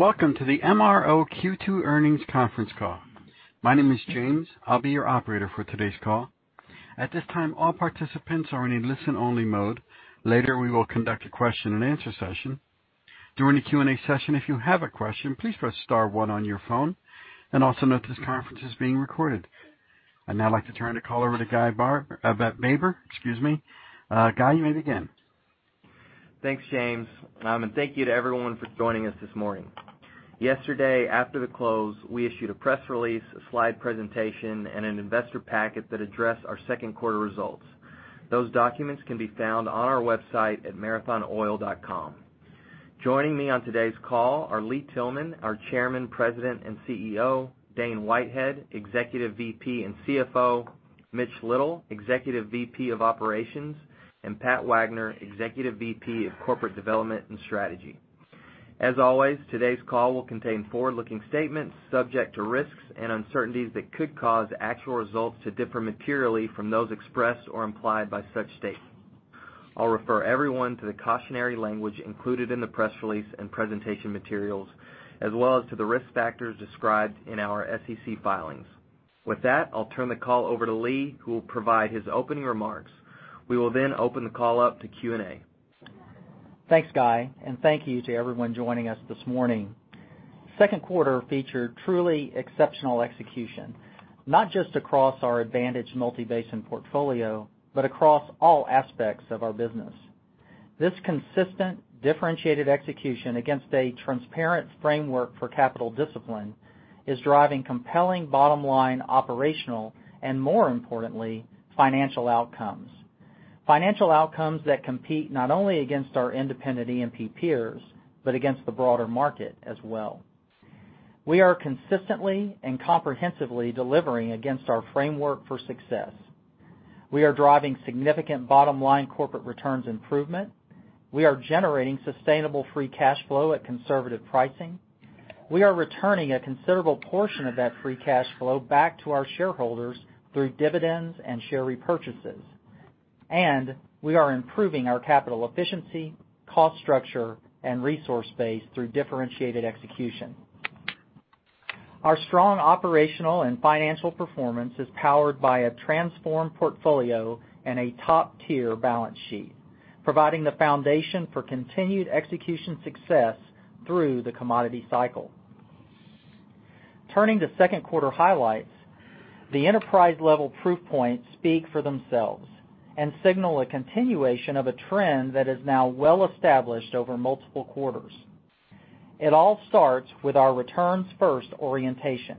Welcome to the MRO Q2 earnings conference call. My name is James. I'll be your operator for today's call. At this time, all participants are in listen-only mode. Later, we will conduct a question and answer session. During the Q&A session, if you have a question, please press star one on your phone, and also note this conference is being recorded. I'd now like to turn the call over to Guy Baber, excuse me. Guy, you may begin. Thanks, James. Thank you to everyone for joining us this morning. Yesterday, after the close, we issued a press release, a slide presentation, and an investor packet that addressed our second quarter results. Those documents can be found on our website at marathonoil.com. Joining me on today's call are Lee Tillman, our Chairman, President and CEO, Dane Whitehead, Executive VP and CFO, Mitch Little, Executive VP of Operations, and Pat Wagner, Executive VP of Corporate Development and Strategy. As always, today's call will contain forward-looking statements subject to risks and uncertainties that could cause actual results to differ materially from those expressed or implied by such statements. I'll refer everyone to the cautionary language included in the press release and presentation materials, as well as to the risk factors described in our SEC filings. With that, I'll turn the call over to Lee, who will provide his opening remarks. We will open the call up to Q&A. Thanks, Guy, and thank you to everyone joining us this morning. Second quarter featured truly exceptional execution, not just across our advantage multi-basin portfolio, but across all aspects of our business. This consistent, differentiated execution against a transparent framework for capital discipline is driving compelling bottom-line operational, and more importantly, financial outcomes. Financial outcomes that compete not only against our independent E&P peers, but against the broader market as well. We are consistently and comprehensively delivering against our framework for success. We are driving significant bottom-line corporate returns improvement. We are generating sustainable free cash flow at conservative pricing. We are returning a considerable portion of that free cash flow back to our shareholders through dividends and share repurchases. We are improving our capital efficiency, cost structure, and resource base through differentiated execution. Our strong operational and financial performance is powered by a transformed portfolio and a top-tier balance sheet, providing the foundation for continued execution success through the commodity cycle. Turning to second quarter highlights, the enterprise-level proof points speak for themselves and signal a continuation of a trend that is now well-established over multiple quarters. It all starts with our returns-first orientation.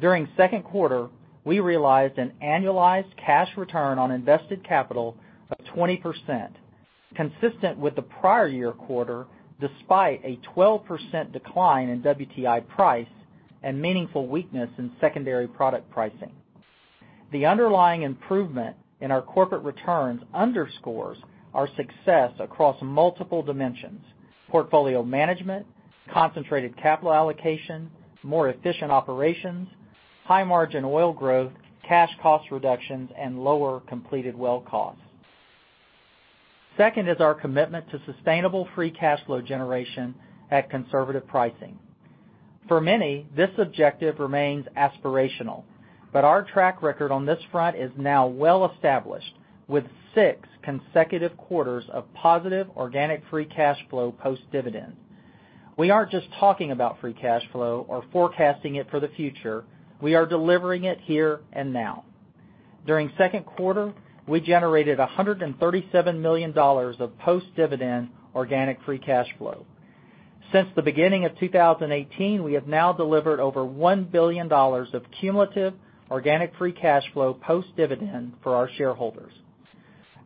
During the second quarter, we realized an annualized cash return on invested capital of 20%, consistent with the prior year quarter, despite a 12% decline in WTI price and meaningful weakness in secondary product pricing. The underlying improvement in our corporate returns underscores our success across multiple dimensions: portfolio management, concentrated capital allocation, more efficient operations, high-margin oil growth, cash cost reductions, and lower completed well costs. Second is our commitment to sustainable free cash flow generation at conservative pricing. For many, this objective remains aspirational, but our track record on this front is now well-established, with six consecutive quarters of positive organic free cash flow post-dividend. We aren't just talking about free cash flow or forecasting it for the future. We are delivering it here and now. During the second quarter, we generated $137 million of post-dividend organic free cash flow. Since the beginning of 2018, we have now delivered over $1 billion of cumulative organic free cash flow post-dividend for our shareholders.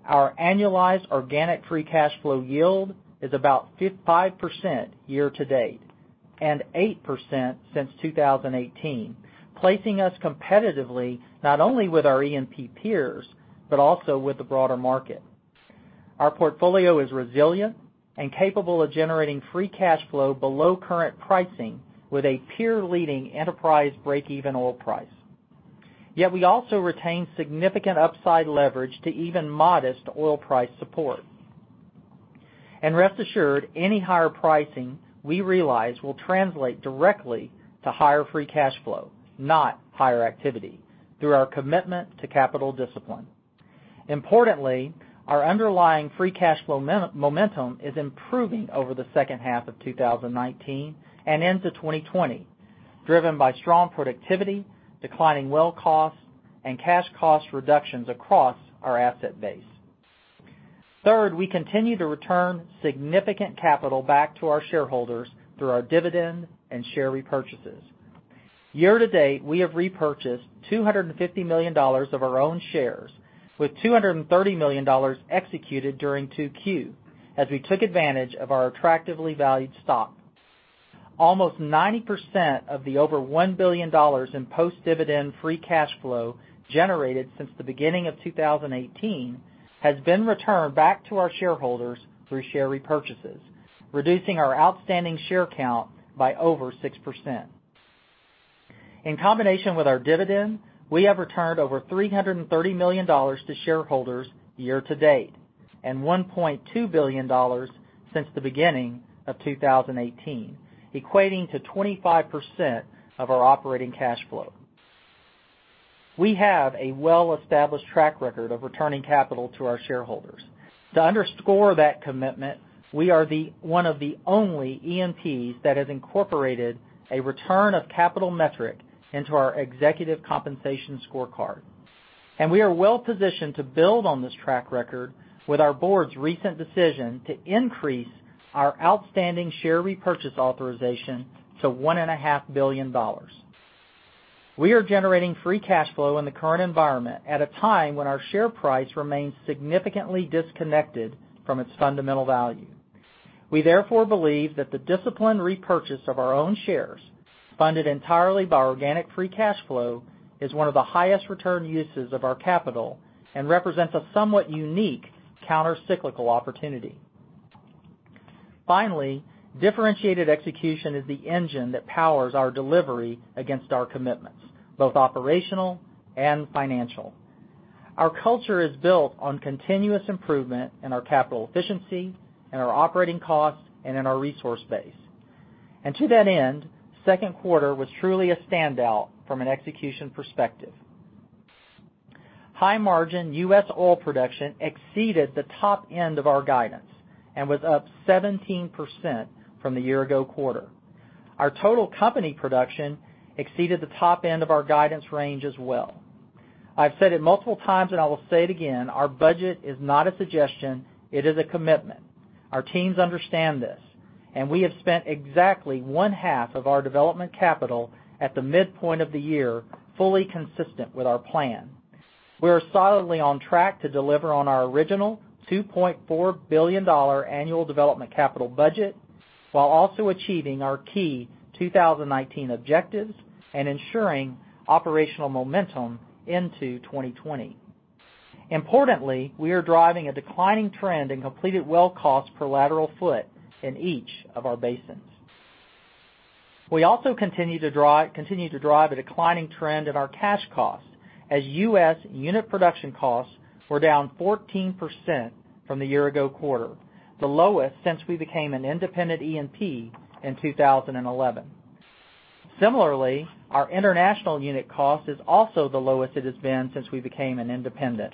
Our annualized organic free cash flow yield is about 5% year to date, and 8% since 2018, placing us competitively not only with our E&P peers but also with the broader market. Our portfolio is resilient and capable of generating free cash flow below current pricing with a peer-leading enterprise break-even oil price. Yet we also retain significant upside leverage to even modest oil price support. Rest assured, any higher pricing we realize will translate directly to higher free cash flow, not higher activity, through our commitment to capital discipline. Importantly, our underlying free cash flow momentum is improving over the second half of 2019 and into 2020, driven by strong productivity, declining well costs, and cash cost reductions across our asset base. Third, we continue to return significant capital back to our shareholders through our dividend and share repurchases. Year to date, we have repurchased $250 million of our own shares, with $230 million executed during 2Q, as we took advantage of our attractively valued stock. Almost 90% of the over $1 billion in post-dividend free cash flow generated since the beginning of 2018 has been returned back to our shareholders through share repurchases, reducing our outstanding share count by over 6%. In combination with our dividend, we have returned over $330 million to shareholders year to date, and $1.2 billion since the beginning of 2018, equating to 25% of our operating cash flow. We have a well-established track record of returning capital to our shareholders. To underscore that commitment, we are one of the only E&Ps that has incorporated a return of capital metric into our executive compensation scorecard. We are well positioned to build on this track record with our board's recent decision to increase our outstanding share repurchase authorization to $1.5 billion. We are generating free cash flow in the current environment at a time when our share price remains significantly disconnected from its fundamental value. We therefore believe that the disciplined repurchase of our own shares, funded entirely by organic free cash flow, is one of the highest return uses of our capital and represents a somewhat unique counter-cyclical opportunity. Differentiated execution is the engine that powers our delivery against our commitments, both operational and financial. Our culture is built on continuous improvement in our capital efficiency, in our operating costs, and in our resource base. To that end, second quarter was truly a standout from an execution perspective. High margin U.S. oil production exceeded the top end of our guidance and was up 17% from the year ago quarter. Our total company production exceeded the top end of our guidance range as well. I've said it multiple times, and I will say it again, our budget is not a suggestion, it is a commitment. Our teams understand this, and we have spent exactly one half of our development capital at the midpoint of the year, fully consistent with our plan. We are solidly on track to deliver on our original $2.4 billion annual development capital budget, while also achieving our key 2019 objectives and ensuring operational momentum into 2020. Importantly, we are driving a declining trend in completed well costs per lateral foot in each of our basins. We also continue to drive a declining trend in our cash costs as U.S. unit production costs were down 14% from the year ago quarter, the lowest since we became an independent E&P in 2011. Similarly, our international unit cost is also the lowest it has been since we became an independent,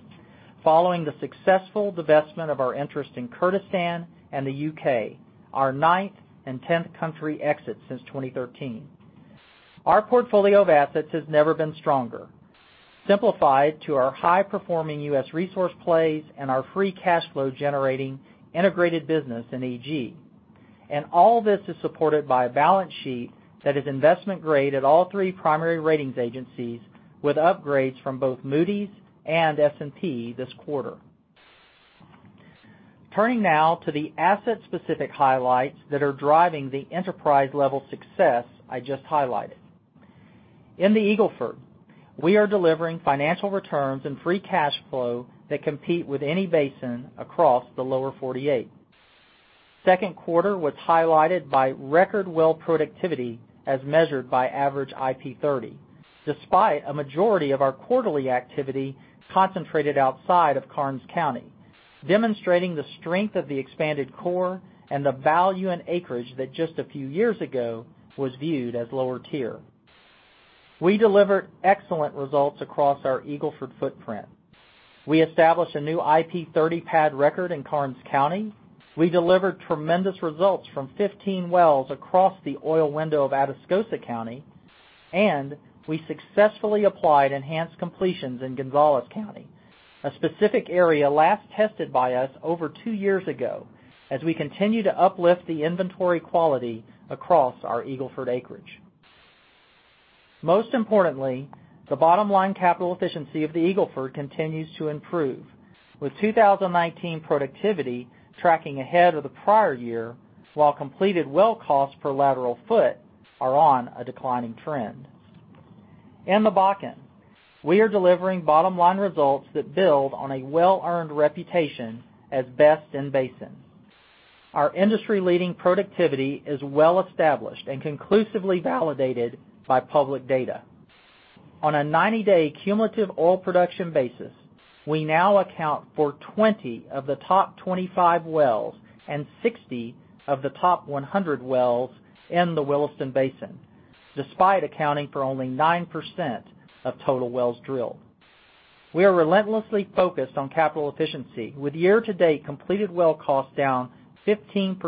following the successful divestment of our interest in Kurdistan and the U.K., our ninth and 10th country exits since 2013. Our portfolio of assets has never been stronger. Simplified to our high-performing U.S. resource plays and our free cash flow generating integrated business in EG. All this is supported by a balance sheet that is investment-grade at all three primary ratings agencies, with upgrades from both Moody's and S&P this quarter. Turning now to the asset specific highlights that are driving the enterprise level success I just highlighted. In the Eagle Ford, we are delivering financial returns and free cash flow that compete with any basin across the lower 48. Second quarter was highlighted by record well productivity as measured by average IP 30, despite a majority of our quarterly activity concentrated outside of Karnes County, demonstrating the strength of the expanded core and the value and acreage that just a few years ago was viewed as lower tier. We delivered excellent results across our Eagle Ford footprint. We established a new IP 30 pad record in Karnes County. We delivered tremendous results from 15 wells across the oil window of Atascosa County, and we successfully applied enhanced completions in Gonzales County, a specific area last tested by us over two years ago, as we continue to uplift the inventory quality across our Eagle Ford acreage. Most importantly, the bottom line capital efficiency of the Eagle Ford continues to improve, with 2019 productivity tracking ahead of the prior year, while completed well costs per lateral foot are on a declining trend. In the Bakken, we are delivering bottom-line results that build on a well-earned reputation as best in basin. Our industry-leading productivity is well established and conclusively validated by public data. On a 90-day cumulative oil production basis, we now account for 20 of the top 25 wells and 60 of the top 100 wells in the Williston Basin, despite accounting for only 9% of total wells drilled. We are relentlessly focused on capital efficiency with year to date completed well costs down 15%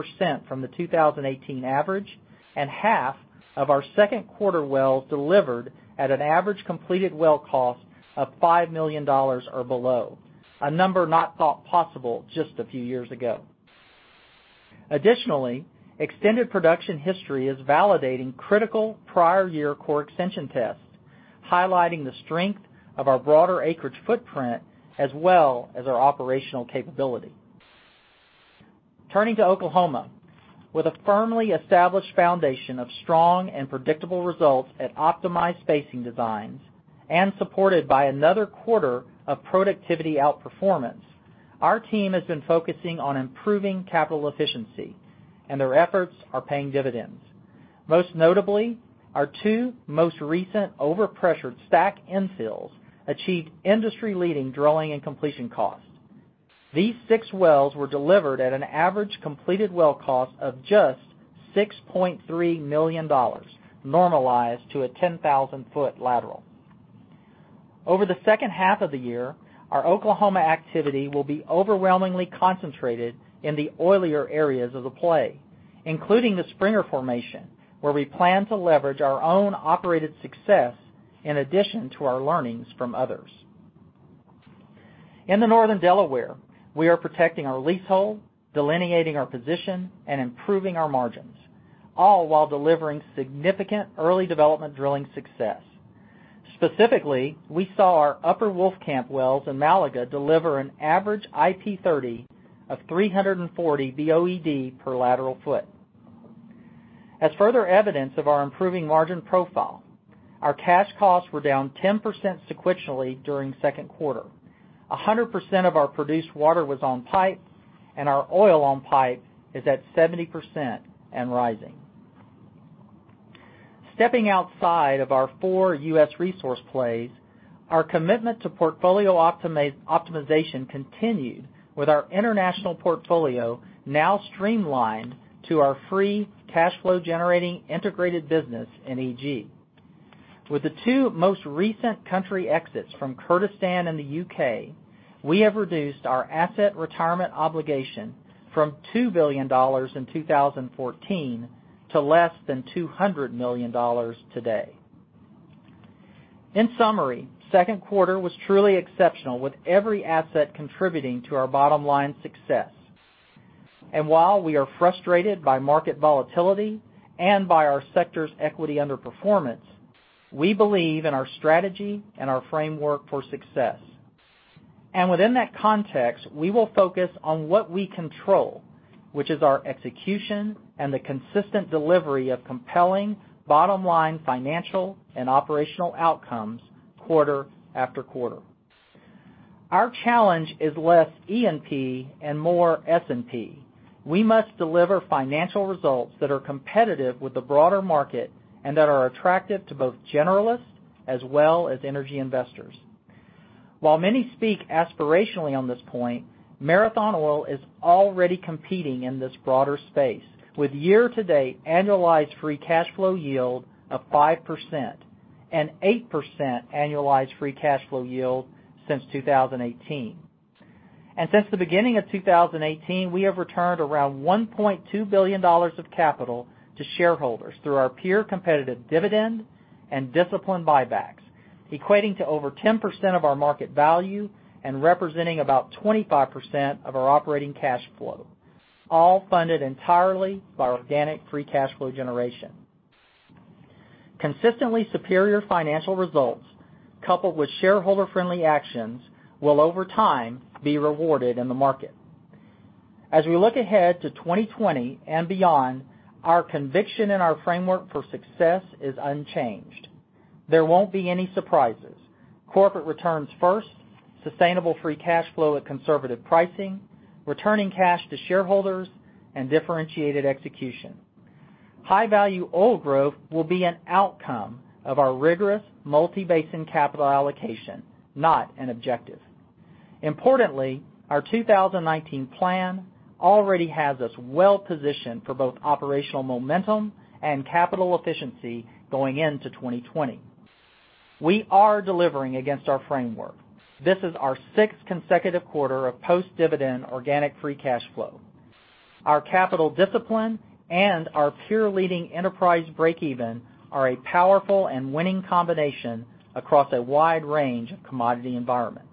from the 2018 average. Half of our second quarter wells delivered at an average completed well cost of $5 million or below, a number not thought possible just a few years ago. Additionally, extended production history is validating critical prior year core extension tests, highlighting the strength of our broader acreage footprint as well as our operational capability. Turning to Oklahoma, with a firmly established foundation of strong and predictable results at optimized spacing designs and supported by another quarter of productivity outperformance, our team has been focusing on improving capital efficiency. Their efforts are paying dividends. Most notably, our two most recent over pressured STACK infills achieved industry-leading drilling and completion costs. These six wells were delivered at an average completed well cost of just $6.3 million, normalized to a 10,000-foot lateral. Over the second half of the year, our Oklahoma activity will be overwhelmingly concentrated in the oilier areas of the play, including the Springer formation, where we plan to leverage our own operated success in addition to our learnings from others. In the Northern Delaware, we are protecting our leasehold, delineating our position, and improving our margins, all while delivering significant early development drilling success. Specifically, we saw our Upper Wolfcamp wells in Malaga deliver an average IP 30 of 340 BOED per lateral foot. As further evidence of our improving margin profile, our cash costs were down 10% sequentially during second quarter. 100% of our produced water was on pipe, and our oil on pipe is at 70% and rising. Stepping outside of our four U.S. resource plays, our commitment to portfolio optimization continued with our international portfolio now streamlined to our free cash flow generating integrated business in EG. With the two most recent country exits from Kurdistan and the U.K., we have reduced our asset retirement obligation from $2 billion in 2014 to less than $200 million today. In summary, second quarter was truly exceptional with every asset contributing to our bottom-line success. While we are frustrated by market volatility and by our sector's equity underperformance, we believe in our strategy and our framework for success. Within that context, we will focus on what we control, which is our execution and the consistent delivery of compelling bottom-line financial and operational outcomes quarter after quarter. Our challenge is less E&P and more S&P. We must deliver financial results that are competitive with the broader market and that are attractive to both generalists as well as energy investors. While many speak aspirationally on this point, Marathon Oil is already competing in this broader space with year-to-date annualized free cash flow yield of 5% and 8% annualized free cash flow yield since 2018. Since the beginning of 2018, we have returned around $1.2 billion of capital to shareholders through our pure competitive dividend and disciplined buybacks, equating to over 10% of our market value and representing about 25% of our operating cash flow, all funded entirely by organic free cash flow generation. Consistently superior financial results coupled with shareholder-friendly actions will over time be rewarded in the market. As we look ahead to 2020 and beyond, our conviction in our framework for success is unchanged. There won't be any surprises. Corporate returns first, sustainable free cash flow at conservative pricing, returning cash to shareholders, and differentiated execution. High-value oil growth will be an outcome of our rigorous multi-basin capital allocation, not an objective. Importantly, our 2019 plan already has us well positioned for both operational momentum and capital efficiency going into 2020. We are delivering against our framework. This is our sixth consecutive quarter of post-dividend organic free cash flow. Our capital discipline and our pure leading enterprise break-even are a powerful and winning combination across a wide range of commodity environments.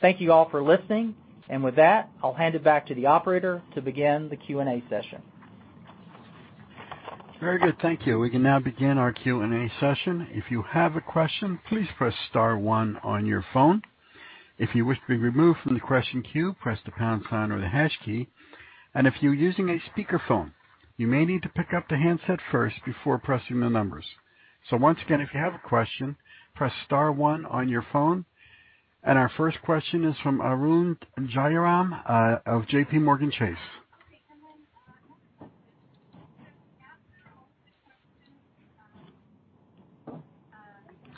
Thank you all for listening. With that, I'll hand it back to the operator to begin the Q&A session. Very good. Thank you. We can now begin our Q&A session. If you have a question, please press star 1 on your phone. If you wish to be removed from the question queue, press the pound sign or the hash key. If you're using a speakerphone, you may need to pick up the handset first before pressing the numbers. Once again, if you have a question, press star 1 on your phone. Our first question is from Arun Jayaram of JPMorgan Chase.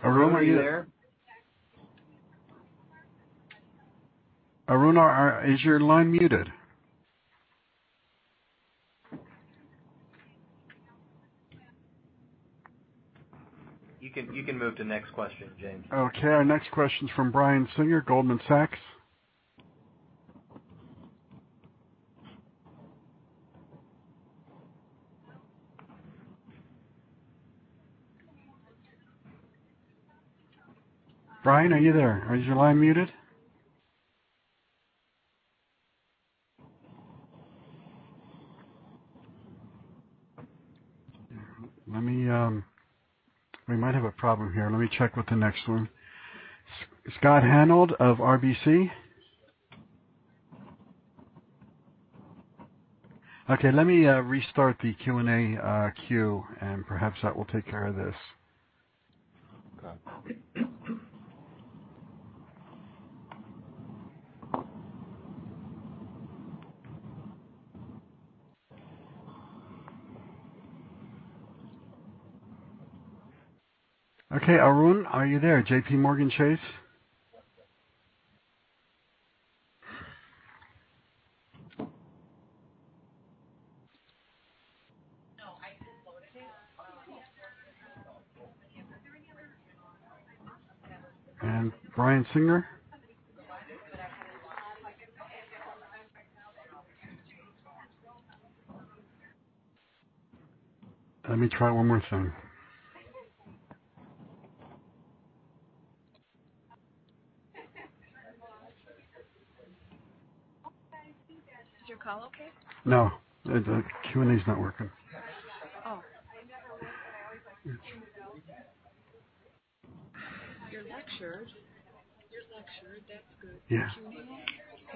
Arun, are you there? Are you there? Arun, is your line muted? You can move to next question, James. Okay, our next question is from Brian Singer, Goldman Sachs. Brian, are you there? Is your line muted? We might have a problem here. Let me check with the next one. Scott Hanold of RBC? Okay, let me restart the Q&A queue. Perhaps that will take care of this. Got it. Okay, Arun, are you there? JPMorgan Chase? Brian Singer? Let me try one more time. Is your call okay? No, the Q&A is not working. Oh. Your lecture, that's good. Yeah. Q&A?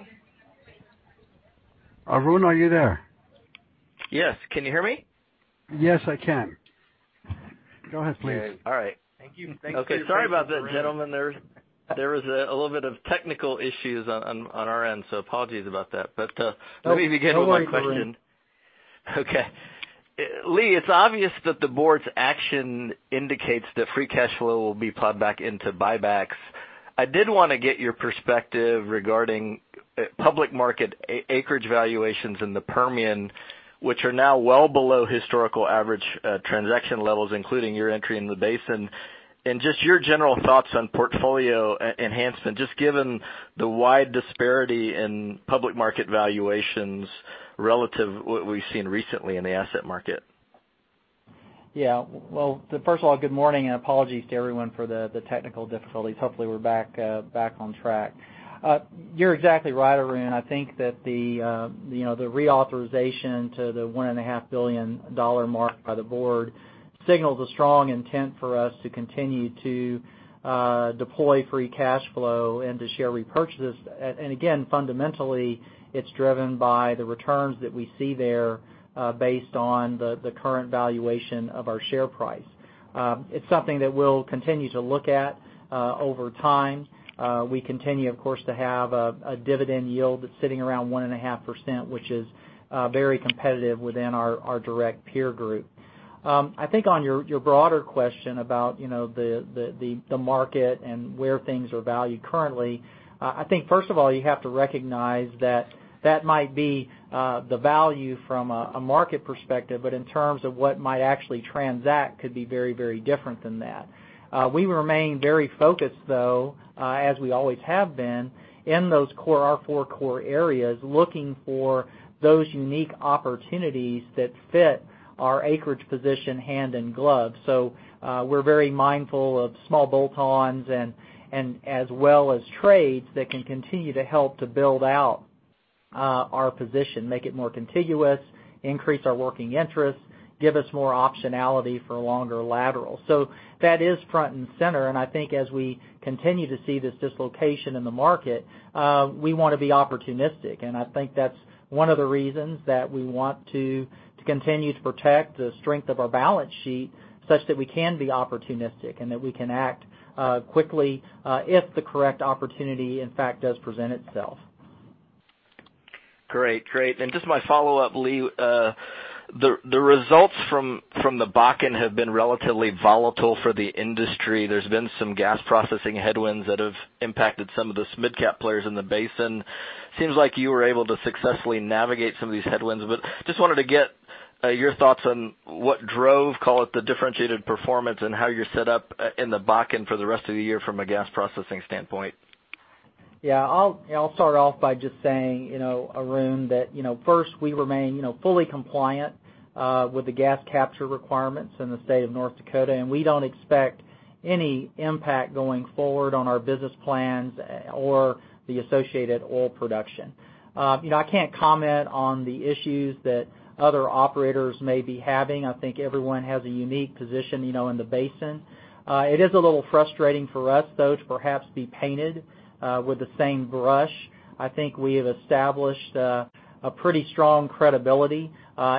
Okay. Arun, are you there? Yes. Can you hear me? Yes, I can. Go ahead, please. All right. Thank you. Okay. Sorry about that, gentlemen. There was a little bit of technical issues on our end, so apologies about that. Let me begin with my question. No worries, Arun. Okay. Lee, it's obvious that the board's action indicates that free cash flow will be plugged back into buybacks. I did want to get your perspective regarding public market acreage valuations in the Permian, which are now well below historical average transaction levels, including your entry in the basin, and just your general thoughts on portfolio enhancement, just given the wide disparity in public market valuations relative to what we've seen recently in the asset market. Yeah. Well, first of all, good morning, and apologies to everyone for the technical difficulties. Hopefully, we're back on track. You're exactly right, Arun. I think that the reauthorization to the $1.5 billion mark by the board signals a strong intent for us to continue to deploy free cash flow into share repurchases. Again, fundamentally, it's driven by the returns that we see there based on the current valuation of our share price. It's something that we'll continue to look at over time. We continue, of course, to have a dividend yield that's sitting around 1.5%, which is very competitive within our direct peer group. I think on your broader question about the market and where things are valued currently, I think, first of all, you have to recognize that that might be the value from a market perspective, but in terms of what might actually transact could be very different than that. We remain very focused, though, as we always have been, in our four core areas, looking for those unique opportunities that fit our acreage position hand in glove. We're very mindful of small bolt-ons as well as trades that can continue to help to build out our position, make it more contiguous, increase our working interest, give us more optionality for longer laterals. That is front and center, and I think as we continue to see this dislocation in the market, we want to be opportunistic. I think that's one of the reasons that we want to continue to protect the strength of our balance sheet such that we can be opportunistic and that we can act quickly if the correct opportunity in fact does present itself. Great. Just my follow-up, Lee. The results from the Bakken have been relatively volatile for the industry. There's been some gas processing headwinds that have impacted some of the mid-cap players in the basin. Seems like you were able to successfully navigate some of these headwinds, but just wanted to get your thoughts on what drove, call it, the differentiated performance, and how you're set up in the Bakken for the rest of the year from a gas processing standpoint. Yeah. I'll start off by just saying, Arun, that first, we remain fully compliant with the gas capture requirements in the state of North Dakota. We don't expect any impact going forward on our business plans or the associated oil production. I can't comment on the issues that other operators may be having. I think everyone has a unique position in the basin. It is a little frustrating for us, though, to perhaps be painted with the same brush. I think we have established a pretty strong credibility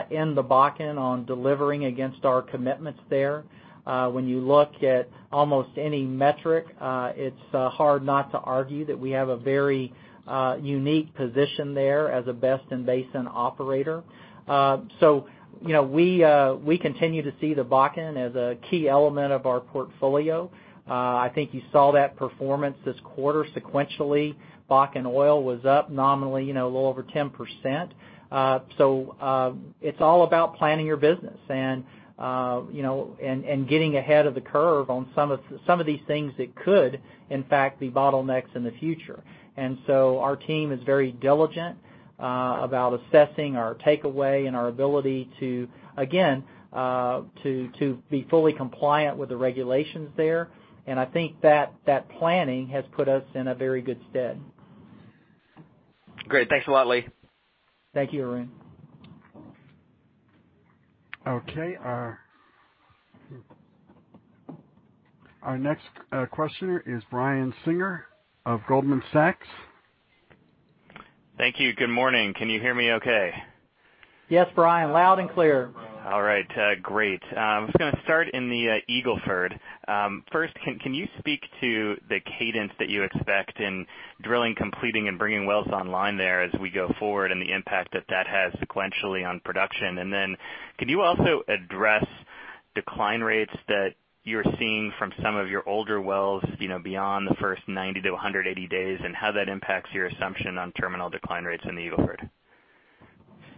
in the Bakken on delivering against our commitments there. When you look at almost any metric, it's hard not to argue that we have a very unique position there as a best-in-basin operator. We continue to see the Bakken as a key element of our portfolio. I think you saw that performance this quarter sequentially. Bakken oil was up nominally a little over 10%. It's all about planning your business and getting ahead of the curve on some of these things that could, in fact, be bottlenecks in the future. Our team is very diligent about assessing our takeaway and our ability to, again, be fully compliant with the regulations there. I think that planning has put us in a very good stead. Great. Thanks a lot, Lee. Thank you, Arun. Okay. Our next questioner is Brian Singer of Goldman Sachs. Thank you. Good morning. Can you hear me okay? Yes, Brian, loud and clear. All right. Great. I'm just going to start in the Eagle Ford. Can you speak to the cadence that you expect in drilling, completing, and bringing wells online there as we go forward, and the impact that that has sequentially on production? Can you also address decline rates that you're seeing from some of your older wells beyond the first 90 to 180 days, and how that impacts your assumption on terminal decline rates in the Eagle Ford?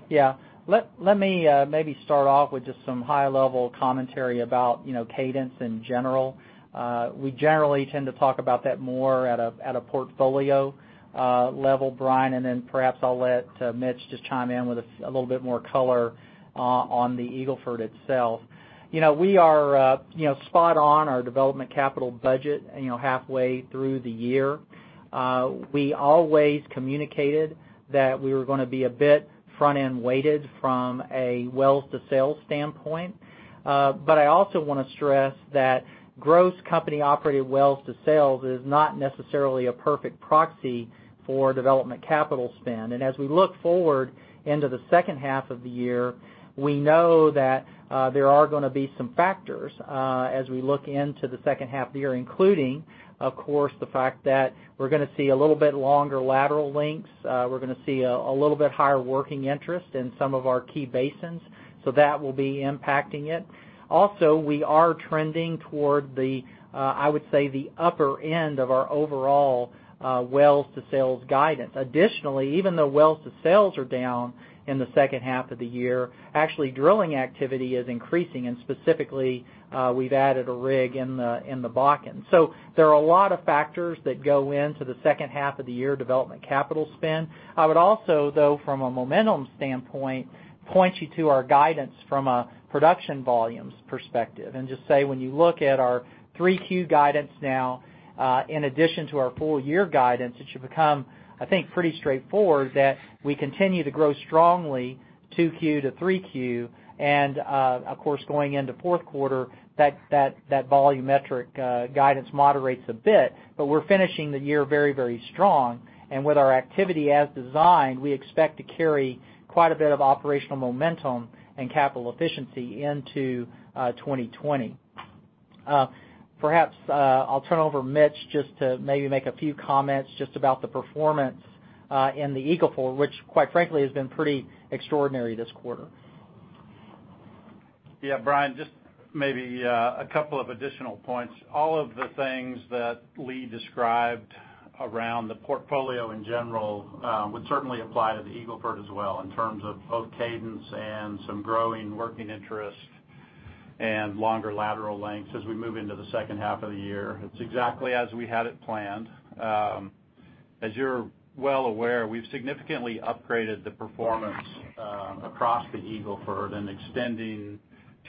Yeah. Let me maybe start off with just some high-level commentary about cadence in general. We generally tend to talk about that more at a portfolio level, Brian, and then perhaps I'll let Mitch just chime in with a little bit more color on the Eagle Ford itself. We are spot on our development capital budget halfway through the year. We always communicated that we were going to be a bit front-end weighted from a wells to sales standpoint. I also want to stress that gross company-operated wells to sales is not necessarily a perfect proxy for development capital spend. As we look forward into the second half of the year, we know that there are going to be some factors as we look into the second half of the year, including, of course, the fact that we're going to see a little bit longer lateral lengths. We're going to see a little bit higher working interest in some of our key basins. That will be impacting it. We are trending toward the, I would say, the upper end of our overall wells to sales guidance. Even though wells to sales are down in the second half of the year, actually drilling activity is increasing, and specifically, we've added a rig in the Bakken. There are a lot of factors that go into the second half of the year development capital spend. I would also, though, from a momentum standpoint, point you to our guidance from a production volumes perspective and just say when you look at our 3Q guidance now, in addition to our full-year guidance, it should become, I think, pretty straightforward that we continue to grow strongly 2Q to 3Q. Of course, going into fourth quarter, that volumetric guidance moderates a bit, but we're finishing the year very strong. With our activity as designed, we expect to carry quite a bit of operational momentum and capital efficiency into 2020. Perhaps I'll turn over Mitch just to maybe make a few comments just about the performance in the Eagle Ford, which quite frankly has been pretty extraordinary this quarter. Yeah, Brian, just maybe a couple of additional points. All of the things that Lee described around the portfolio in general would certainly apply to the Eagle Ford as well in terms of both cadence and some growing working interest and longer lateral lengths as we move into the second half of the year. It's exactly as we had it planned. As you're well aware, we've significantly upgraded the performance across the Eagle Ford and extending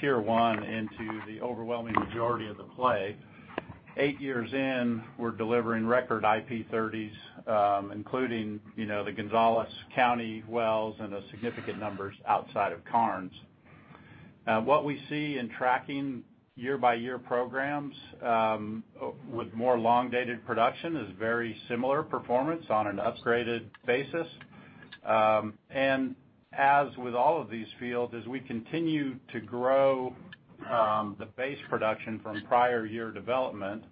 tier 1 into the overwhelming majority of the play. Eight years in, we're delivering record IP 30s, including the Gonzales County wells and a significant numbers outside of Karnes. What we see in tracking year-by-year programs with more long-dated production is very similar performance on an upgraded basis. As with all of these fields, as we continue to grow the base production from prior year development,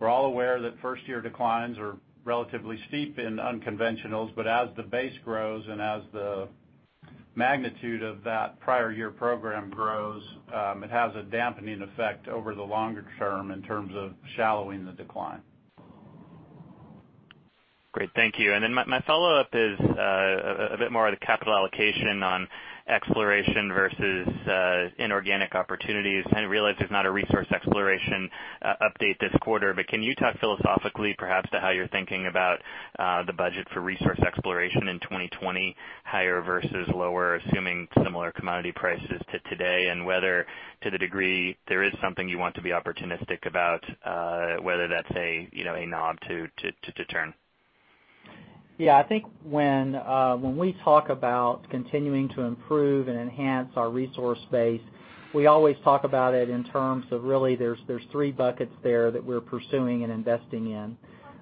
we're all aware that first-year declines are relatively steep in unconventionals, but as the base grows and as the magnitude of that prior year program grows, it has a dampening effect over the longer term in terms of shallowing the decline. Great. Thank you. My follow-up is a bit more of the capital allocation on exploration versus inorganic opportunities. I realize there's not a resource exploration update this quarter, but can you talk philosophically perhaps to how you're thinking about the budget for resource exploration in 2020, higher versus lower, assuming similar commodity prices to today? Whether to the degree there is something you want to be opportunistic about, whether that's a knob to turn? Yeah, I think when we talk about continuing to improve and enhance our resource base, we always talk about it in terms of really there's 3 buckets there that we're pursuing and investing in.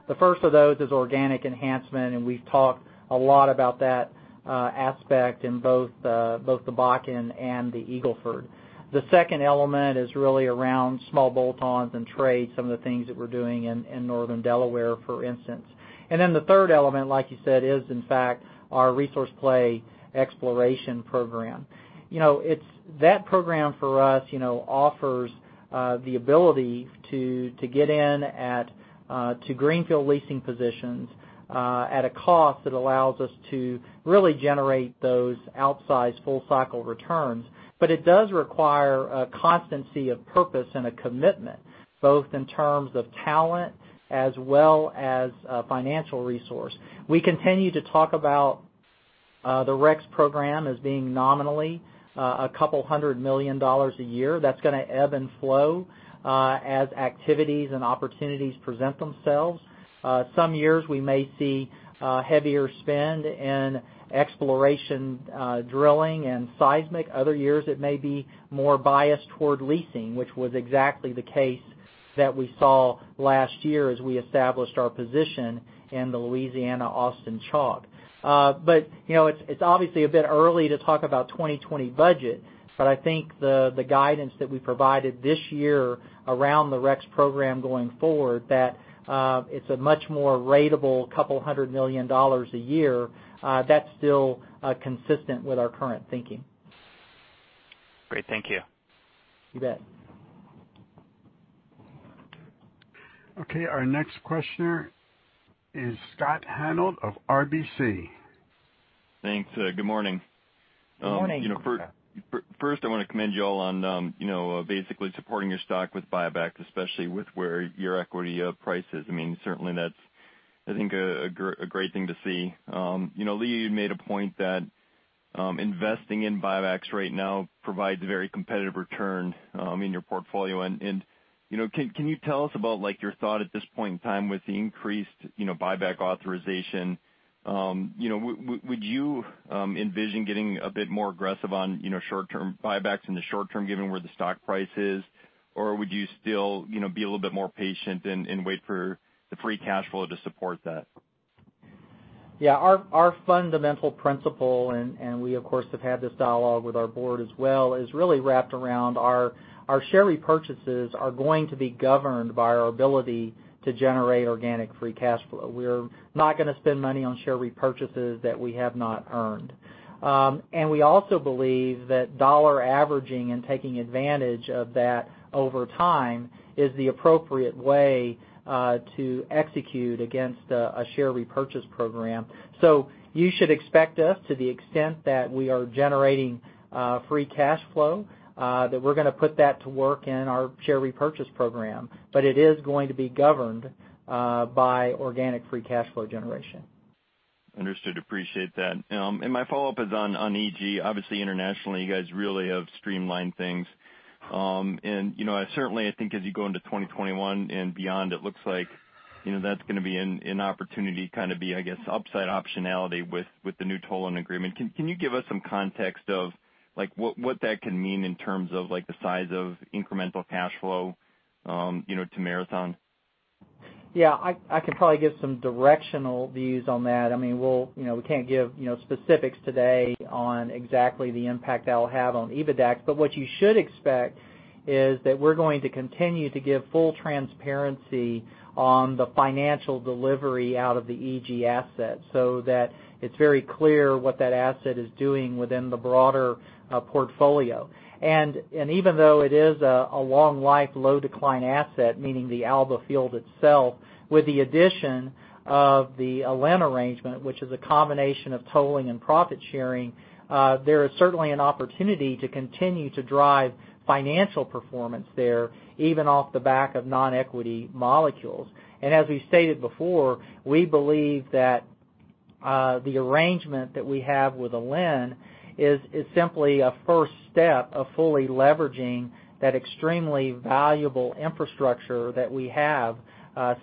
The first of those is organic enhancement, and we've talked a lot about that aspect in both the Bakken and the Eagle Ford. The second element is really around small bolt-ons and trades, some of the things that we're doing in Northern Delaware, for instance. The third element, like you said, is in fact our resource play exploration program. That program for us offers the ability to get in to greenfield leasing positions at a cost that allows us to really generate those outsized full-cycle returns. It does require a constancy of purpose and a commitment, both in terms of talent as well as financial resource. The REX program is being nominally a couple hundred million dollars a year. That's going to ebb and flow as activities and opportunities present themselves. Some years we may see heavier spend in exploration, drilling, and seismic. Other years it may be more biased toward leasing, which was exactly the case that we saw last year as we established our position in the Louisiana Austin Chalk. It's obviously a bit early to talk about 2020 budget, but I think the guidance that we provided this year around the REX program going forward, that it's a much more ratable couple hundred million dollars a year. That's still consistent with our current thinking. Great. Thank you. You bet. Okay, our next questioner is Scott Hanold of RBC. Thanks. Good morning. Good morning. First, I want to commend you all on basically supporting your stock with buybacks, especially with where your equity price is. Certainly that's, I think, a great thing to see. Lee, you made a point that investing in buybacks right now provides a very competitive return in your portfolio. Can you tell us about your thought at this point in time with the increased buyback authorization? Would you envision getting a bit more aggressive on buybacks in the short term, given where the stock price is? Would you still be a little bit more patient and wait for the free cash flow to support that? Yeah. Our fundamental principle, We of course, have had this dialogue with our board as well, is really wrapped around our share repurchases are going to be governed by our ability to generate organic free cash flow. We're not going to spend money on share repurchases that we have not earned. We also believe that dollar averaging and taking advantage of that over time is the appropriate way to execute against a share repurchase program. You should expect us to the extent that we are generating free cash flow, that we're going to put that to work in our share repurchase program. It is going to be governed by organic free cash flow generation. Understood. Appreciate that. My follow-up is on EG. Obviously, internationally, you guys really have streamlined things. Certainly, I think as you go into 2021 and beyond, it looks like that's going to be an opportunity, I guess, upside optionality with the new tolling agreement. Can you give us some context of what that can mean in terms of the size of incremental cash flow to Marathon? Yeah, I can probably give some directional views on that. We can't give specifics today on exactly the impact that'll have on EBITDA, but what you should expect is that we're going to continue to give full transparency on the financial delivery out of the EG asset so that it's very clear what that asset is doing within the broader portfolio. Even though it is a long life, low decline asset, meaning the Alba field itself, with the addition of the Alliance arrangement, which is a combination of tolling and profit sharing there is certainly an opportunity to continue to drive financial performance there, even off the back of non-equity molecules. As we stated before, we believe that the arrangement that we have with Alliance is simply a first step of fully leveraging that extremely valuable infrastructure that we have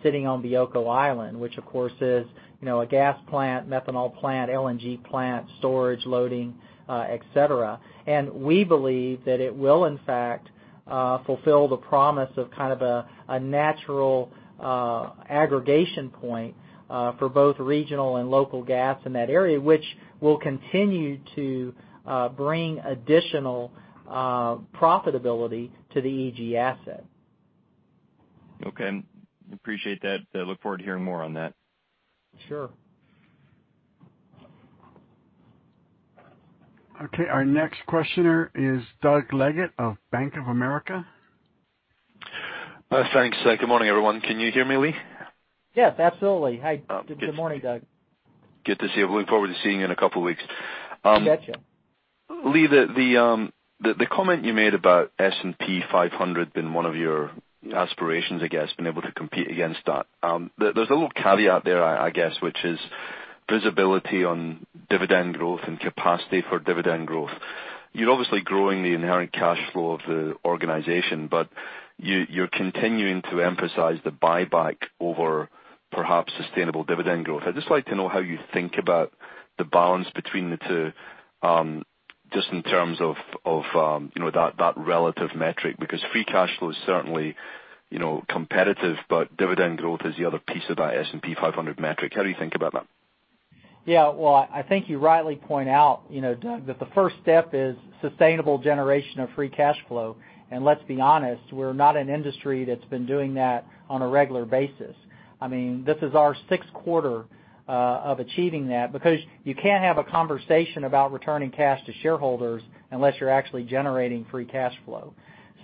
sitting on Bioko Island, which of course is a gas plant, methanol plant, LNG plant, storage loading, et cetera. We believe that it will in fact, fulfill the promise of kind of a natural aggregation point for both regional and local gas in that area, which will continue to bring additional profitability to the EG asset. Okay. Appreciate that. Look forward to hearing more on that. Sure. Okay, our next questioner is Doug Leggate of Bank of America. Thanks. Good morning, everyone. Can you hear me, Lee? Yes, absolutely. Hi. Good morning, Doug. Good to see you. Looking forward to seeing you in a couple of weeks. You betcha. Lee, the comment you made about S&P 500 being one of your aspirations, I guess, being able to compete against that. There's a little caveat there, I guess, which is visibility on dividend growth and capacity for dividend growth. You're obviously growing the inherent cash flow of the organization, but you're continuing to emphasize the buyback over perhaps sustainable dividend growth. I'd just like to know how you think about the balance between the two, just in terms of that relative metric, because free cash flow is certainly competitive, but dividend growth is the other piece of that S&P 500 metric. How do you think about that? Yeah. Well, I think you rightly point out, Doug, that the first step is sustainable generation of free cash flow. Let's be honest, we're not an industry that's been doing that on a regular basis. This is our sixth quarter of achieving that, because you can't have a conversation about returning cash to shareholders unless you're actually generating free cash flow.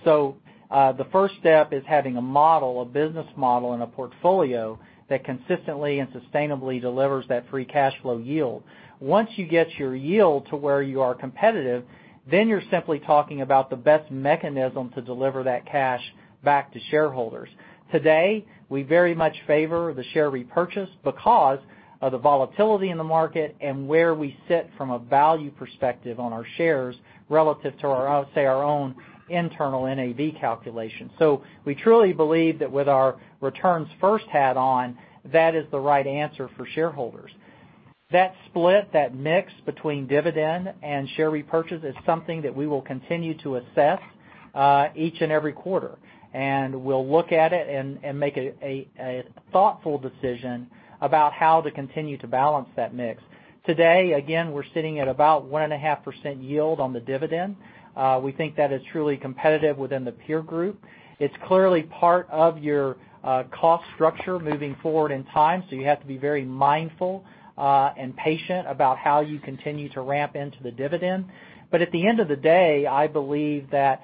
The first step is having a model, a business model, and a portfolio that consistently and sustainably delivers that free cash flow yield. Once you get your yield to where you are competitive, then you're simply talking about the best mechanism to deliver that cash back to shareholders. Today, we very much favor the share repurchase because of the volatility in the market and where we sit from a value perspective on our shares relative to, say, our own internal NAV calculation. We truly believe that with our returns-first hat on, that is the right answer for shareholders. That split, that mix between dividend and share repurchase, is something that we will continue to assess each and every quarter. We'll look at it and make a thoughtful decision about how to continue to balance that mix. Today, again, we're sitting at about 1.5% yield on the dividend. We think that is truly competitive within the peer group. It's clearly part of your cost structure moving forward in time, so you have to be very mindful and patient about how you continue to ramp into the dividend. At the end of the day, I believe that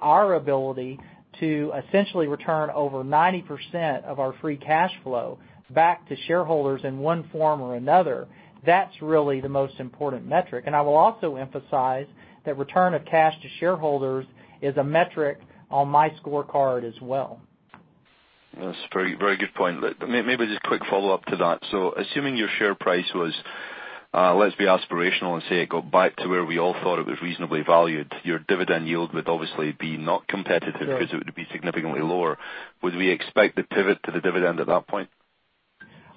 our ability to essentially return over 90% of our free cash flow back to shareholders in one form or another, that's really the most important metric. I will also emphasize that return of cash to shareholders is a metric on my scorecard as well. That's a very good point. Maybe just a quick follow-up to that. Assuming your share price was, let's be aspirational and say it got back to where we all thought it was reasonably valued, your dividend yield would obviously be not competitive. Sure because it would be significantly lower. Would we expect to pivot to the dividend at that point?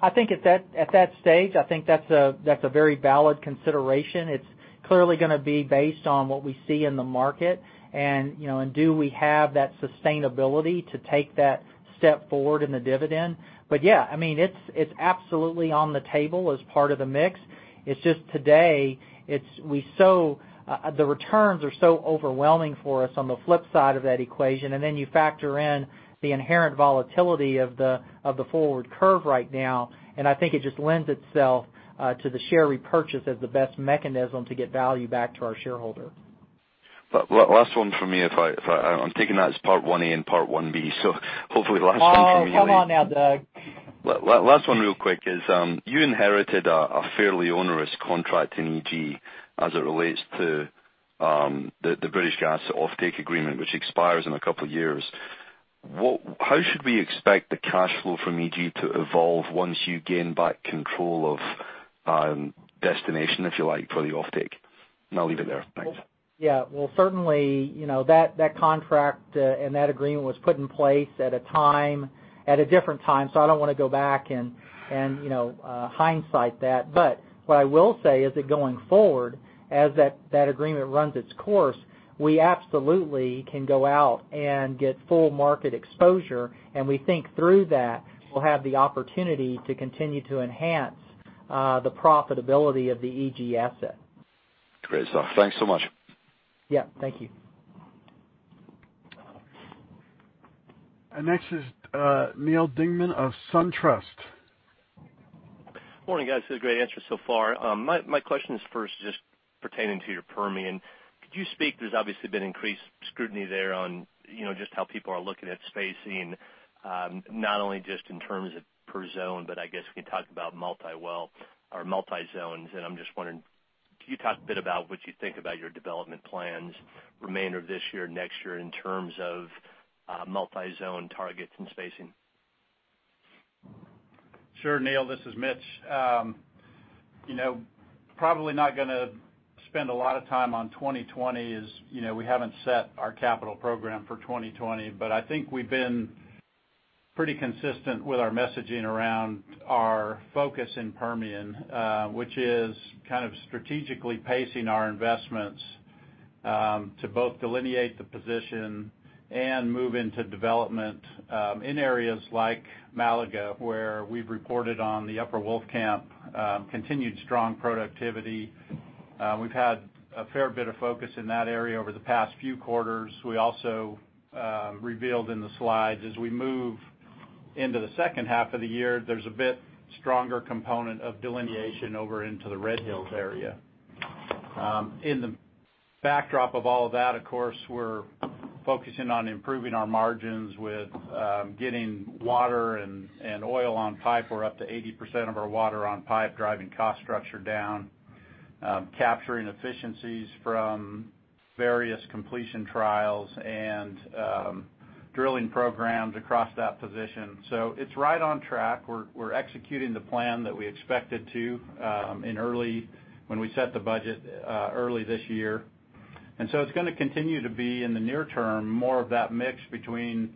I think at that stage, I think that's a very valid consideration. It's clearly going to be based on what we see in the market, and do we have that sustainability to take that step forward in the dividend. Yeah, it's absolutely on the table as part of the mix. It's just today, the returns are so overwhelming for us on the flip side of that equation, and then you factor in the inherent volatility of the forward curve right now, and I think it just lends itself to the share repurchase as the best mechanism to get value back to our shareholder. Last one from me. I'm taking that as part 1A and part 1B, so hopefully the last one from me. Oh, come on now, Doug. Last one real quick is, you inherited a fairly onerous contract in EG as it relates to the British Gas offtake agreement, which expires in a couple of years. How should we expect the cash flow from EG to evolve once you gain back control of destination, if you like, for the offtake? I'll leave it there. Thanks. Well, certainly, that contract and that agreement was put in place at a different time, so I don't want to go back and hindsight that. What I will say is that going forward, as that agreement runs its course, we absolutely can go out and get full market exposure. We think through that, we'll have the opportunity to continue to enhance the profitability of the EG asset. Great stuff. Thanks so much. Yeah. Thank you. Next is Neal Dingmann of SunTrust. Morning, guys. Great answers so far. My question is first just pertaining to your Permian. Could you speak, there's obviously been increased scrutiny there on just how people are looking at spacing, not only just in terms of per zone, but I guess we can talk about multi-well or multi-zones. I'm just wondering, could you talk a bit about what you think about your development plans remainder of this year, next year, in terms of multi-zone targets and spacing? Sure, Neal. This is Mitch. Probably not going to spend a lot of time on 2020, as we haven't set our capital program for 2020. I think we've been pretty consistent with our messaging around our focus in Permian, which is kind of strategically pacing our investments to both delineate the position and move into development in areas like Malaga, where we've reported on the Upper Wolfcamp continued strong productivity. We've had a fair bit of focus in that area over the past few quarters. We also revealed in the slides, as we move into the second half of the year, there's a bit stronger component of delineation over into the Red Hills area. In the backdrop of all of that, of course, we're focusing on improving our margins with getting water and oil on pipe. We're up to 80% of our water on pipe, driving cost structure down, capturing efficiencies from various completion trials and drilling programs across that position. It's right on track. We're executing the plan that we expected to when we set the budget early this year. It's going to continue to be, in the near term, more of that mix between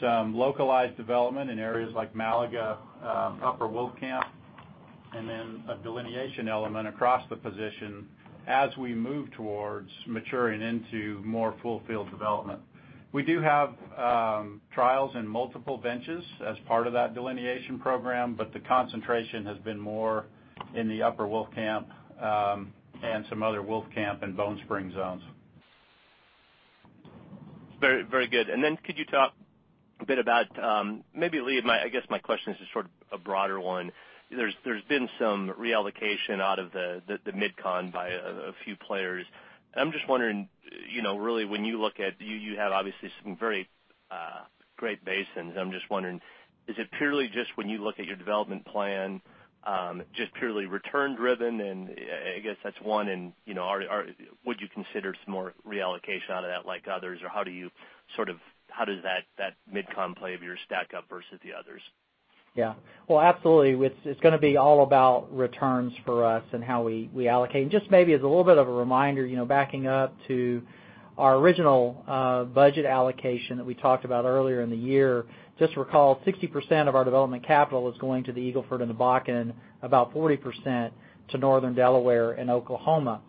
some localized development in areas like Malaga, Upper Wolfcamp, and then a delineation element across the position as we move towards maturing into more full field development. We do have trials in multiple benches as part of that delineation program, but the concentration has been more in the Upper Wolfcamp and some other Wolfcamp and Bone Spring zones. Very good. Could you talk a bit about, maybe, Lee, I guess my question is just sort of a broader one. There's been some reallocation out of the MidCon by a few players. I'm just wondering, really, when you look at, you have obviously some very great basins. I'm just wondering, is it purely just when you look at your development plan, just purely return driven? I guess that's one, and would you consider some more reallocation out of that, like others, or how does that MidCon play of your STACK up versus the others? Yeah. Well, absolutely. It's going to be all about returns for us and how we allocate. Just maybe as a little bit of a reminder, backing up to our original budget allocation that we talked about earlier in the year, just recall 60% of our development capital is going to the Eagle Ford and the Bakken, about 40% to Northern Delaware and Oklahoma.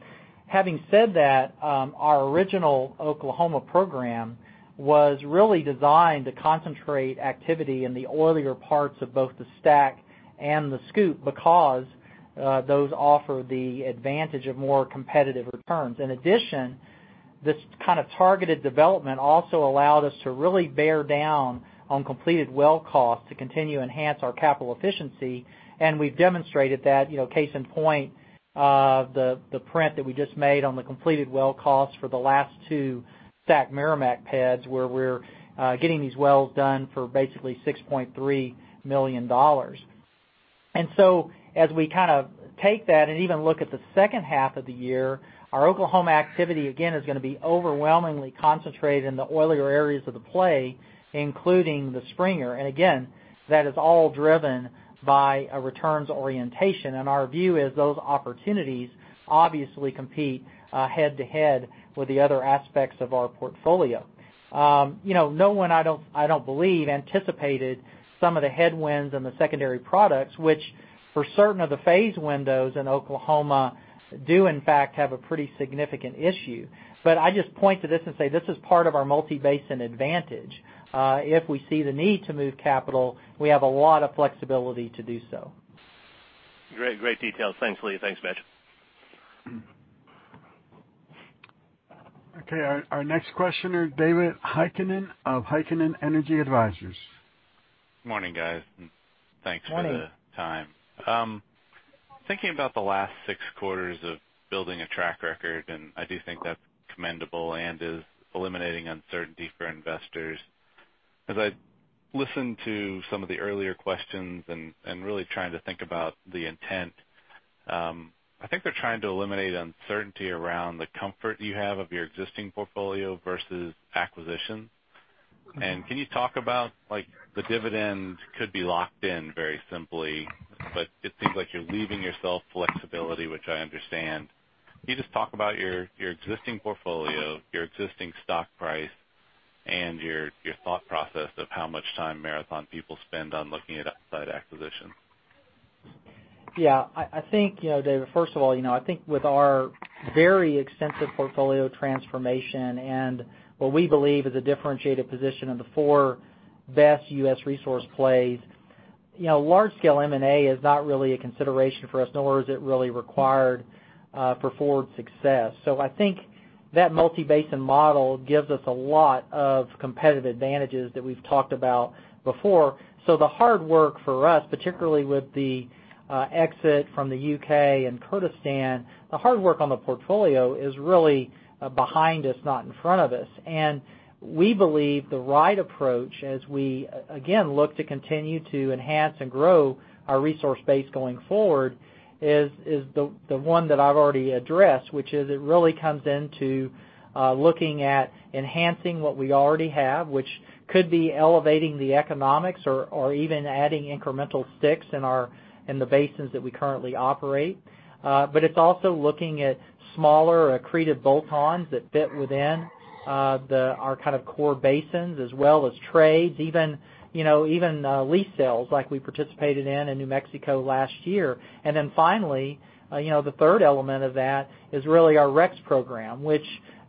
Having said that, our original Oklahoma program was really designed to concentrate activity in the oilier parts of both the STACK and the SCOOP because those offer the advantage of more competitive returns. In addition, this kind of targeted development also allowed us to really bear down on completed well costs to continue to enhance our capital efficiency, and we've demonstrated that. Case in point, the print that we just made on the completed well costs for the last two STACK Meramec pads where we're getting these wells done for basically $6.3 million. As we take that and even look at the second half of the year, our Oklahoma activity, again, is going to be overwhelmingly concentrated in the oilier areas of the play, including the Springer. Again, that is all driven by a returns orientation, and our view is those opportunities obviously compete head to head with the other aspects of our portfolio. No one, I don't believe, anticipated some of the headwinds in the secondary products, which for certain of the phase windows in Oklahoma, do in fact have a pretty significant issue. I just point to this and say, this is part of our multi-basin advantage. If we see the need to move capital, we have a lot of flexibility to do so. Great details. Thanks, Lee. Thanks, Mitch. Okay, our next questioner, David Heikkinen of Heikkinen Energy Advisors. Morning, guys. Morning. Thanks for the time. Thinking about the last six quarters of building a track record, and I do think that is commendable and is eliminating uncertainty for investors. As I listened to some of the earlier questions and really trying to think about the intent, I think they are trying to eliminate uncertainty around the comfort you have of your existing portfolio versus acquisition. Can you talk about, like, the dividend could be locked in very simply, but it seems like you're leaving yourself flexibility, which I understand. Can you just talk about your existing portfolio, your existing stock price, and your thought process of how much time Marathon people spend on looking at outside acquisition? Yeah. David, first of all, I think with our very extensive portfolio transformation and what we believe is a differentiated position in the four best U.S. resource plays, large scale M&A is not really a consideration for us, nor is it really required for forward success. I think that multi-basin model gives us a lot of competitive advantages that we've talked about before. The hard work for us, particularly with the exit from the U.K. and Kurdistan, the hard work on the portfolio is really behind us, not in front of us. We believe the right approach as we, again, look to continue to enhance and grow our resource base going forward is the one that I've already addressed, which is it really comes into looking at enhancing what we already have, which could be elevating the economics or even adding incremental sticks in the basins that we currently operate. It's also looking at smaller accretive bolt-ons that fit within our kind of core basins as well as trades, even lease sales like we participated in N.M. last year. Finally, the third element of that is really our REX program, which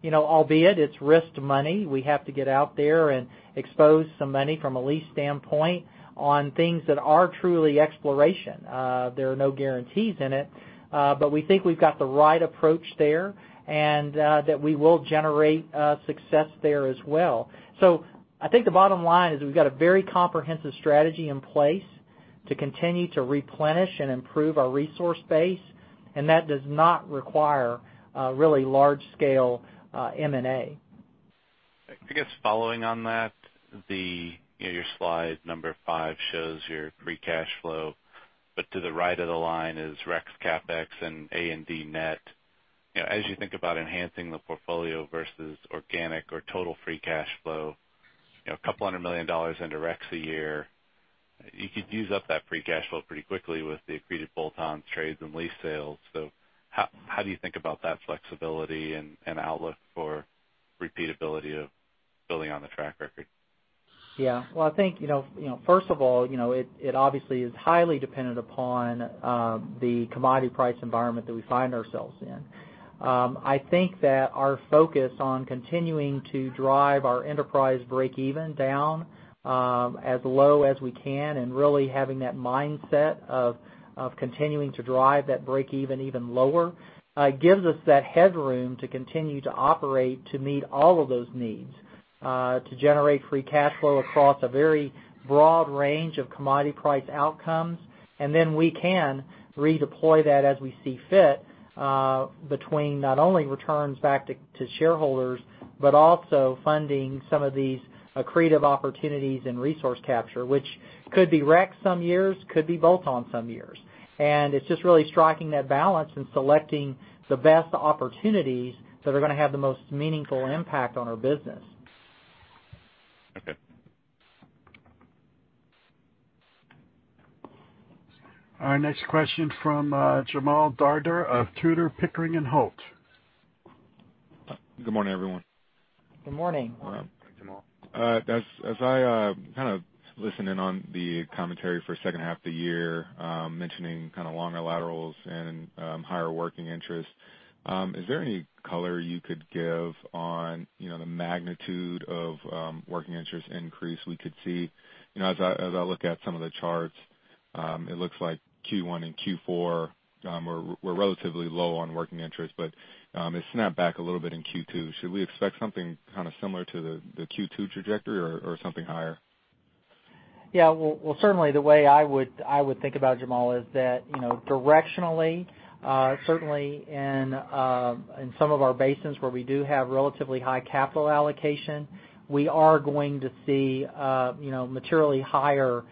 albeit it's risked money. We have to get out there and expose some money from a lease standpoint on things that are truly exploration. There are no guarantees in it. We think we've got the right approach there, and that we will generate success there as well. I think the bottom line is we've got a very comprehensive strategy in place to continue to replenish and improve our resource base, and that does not require a really large scale M&A. I guess following on that, your slide number five shows your free cash flow, but to the right of the line is REX CapEx and A&D net. As you think about enhancing the portfolio versus organic or total free cash flow, a couple hundred million dollars into REX a year, you could use up that free cash flow pretty quickly with the accretive bolt-on trades and lease sales. How do you think about that flexibility and outlook for repeatability of building on the track record? Yeah. Well, I think, first of all, it obviously is highly dependent upon the commodity price environment that we find ourselves in. I think that our focus on continuing to drive our enterprise break-even down as low as we can and really having that mindset of continuing to drive that break-even even lower gives us that headroom to continue to operate to meet all of those needs. To generate free cash flow across a very broad range of commodity price outcomes, and then we can redeploy that as we see fit, between not only returns back to shareholders, but also funding some of these accretive opportunities in resource capture, which could be REX some years, could be bolt-on some years. It's just really striking that balance and selecting the best opportunities that are going to have the most meaningful impact on our business. Okay. Our next question from Jamaal Dardar of Tudor, Pickering & Holt. Good morning, everyone. Good morning. Good morning, Jamaal. As I listened in on the commentary for second half of the year, mentioning longer laterals and higher working interest, is there any color you could give on the magnitude of working interest increase we could see? As I look at some of the charts, it looks like Q1 and Q4 were relatively low on working interest, but it snapped back a little bit in Q2. Should we expect something similar to the Q2 trajectory or something higher? Certainly the way I would think about it, Jamaal, is that directionally, certainly in some of our basins where we do have relatively high capital allocation, we are going to see materially higher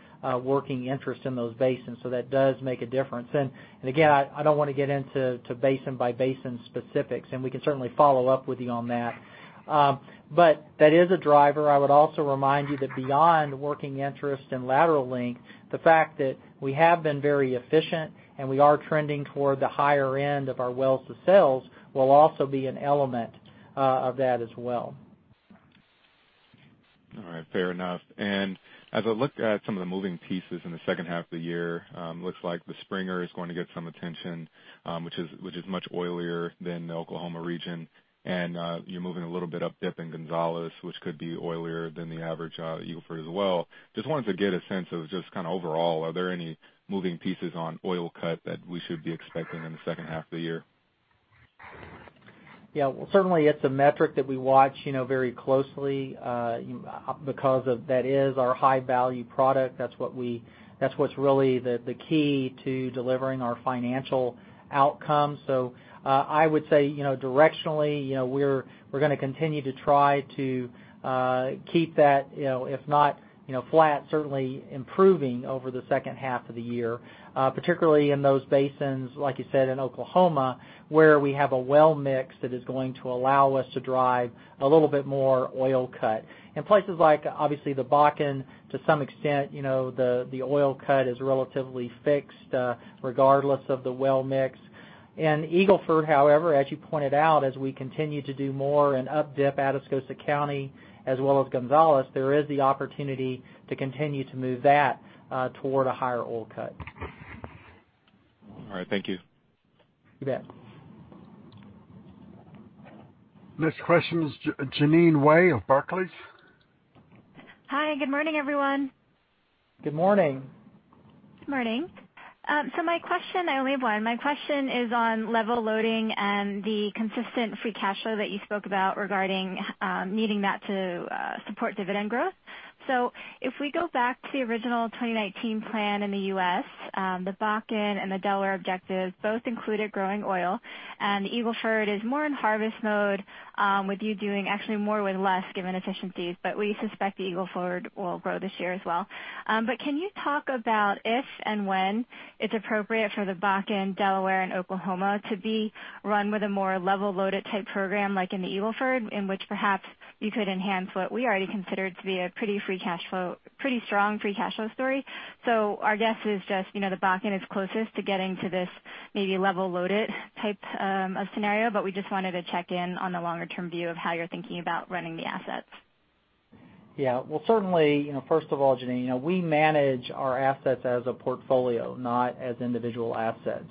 working interest in those basins. That does make a difference. Again, I don't want to get into basin by basin specifics, and we can certainly follow up with you on that. That is a driver. I would also remind you that beyond working interest and lateral link, the fact that we have been very efficient and we are trending toward the higher end of our wells to sales, will also be an element of that as well. All right. Fair enough. As I look at some of the moving pieces in the second half of the year, looks like the Springer is going to get some attention, which is much oilier than the Oklahoma region. You're moving a little bit up dip in Gonzales, which could be oilier than the average Eagle Ford as well. Just wanted to get a sense of just overall, are there any moving pieces on oil cut that we should be expecting in the second half of the year? Certainly, it's a metric that we watch very closely, because that is our high-value product. That's what's really the key to delivering our financial outcomes. I would say directionally, we're going to continue to try to keep that, if not flat, certainly improving over the second half of the year. Particularly in those basins, like you said, in Oklahoma, where we have a well mix that is going to allow us to drive a little bit more oil cut. In places like obviously the Bakken, to some extent, the oil cut is relatively fixed, regardless of the well mix. In Eagle Ford, however, as you pointed out, as we continue to do more and up dip out of Atascosa County as well as Gonzales, there is the opportunity to continue to move that toward a higher oil cut. All right. Thank you. You bet. Next question is Jeanine Wai of Barclays. Hi, good morning, everyone. Good morning. Good morning. My question, I only have one. My question is on level loading and the consistent free cash flow that you spoke about regarding needing that to support dividend growth. If we go back to the original 2019 plan in the U.S., the Bakken and the Delaware objectives both included growing oil, and the Eagle Ford is more in harvest mode, with you doing actually more with less given efficiencies. We suspect the Eagle Ford will grow this year as well. Can you talk about if and when it's appropriate for the Bakken, Delaware, and Oklahoma to be run with a more level loaded type program like in the Eagle Ford, in which perhaps you could enhance what we already considered to be a pretty strong free cash flow story? Our guess is just, the Bakken is closest to getting to this maybe level loaded type of scenario, but we just wanted to check in on the longer term view of how you're thinking about running the assets. Yeah. Certainly, first of all, Jeanine, we manage our assets as a portfolio, not as individual assets.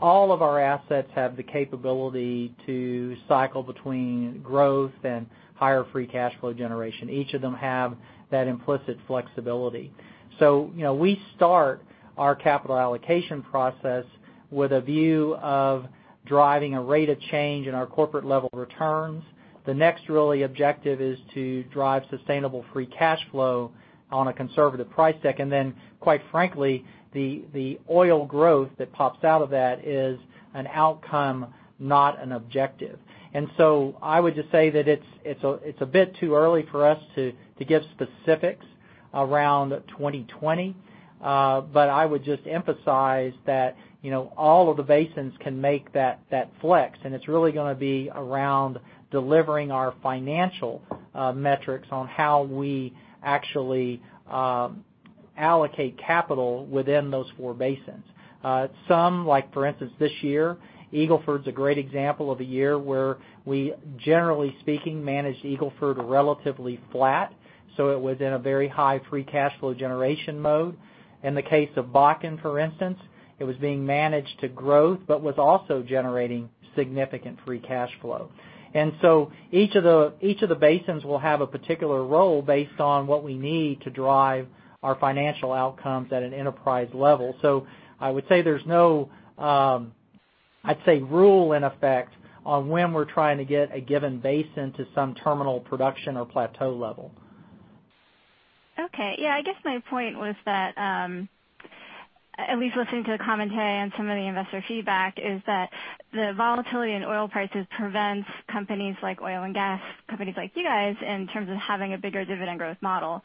All of our assets have the capability to cycle between growth and higher free cash flow generation. Each of them have that implicit flexibility. We start our capital allocation process with a view of driving a rate of change in our corporate level returns. The next really objective is to drive sustainable free cash flow on a conservative price deck, and then quite frankly, the oil growth that pops out of that is an outcome, not an objective. I would just say that it's a bit too early for us to give specifics around 2020. I would just emphasize that all of the basins can make that flex, and it's really going to be around delivering our financial metrics on how we actually allocate capital within those four basins. Some, like for instance this year, Eagle Ford is a great example of a year where we, generally speaking, managed Eagle Ford relatively flat. It was in a very high free cash flow generation mode. In the case of Bakken, for instance, it was being managed to growth, but was also generating significant free cash flow. Each of the basins will have a particular role based on what we need to drive our financial outcomes at an enterprise level. I would say there's no, I'd say, rule in effect on when we're trying to get a given basin to some terminal production or plateau level. Okay. Yeah, I guess my point was that, at least listening to the commentary and some of the investor feedback, is that the volatility in oil prices prevents companies like oil and gas, companies like you guys, in terms of having a bigger dividend growth model.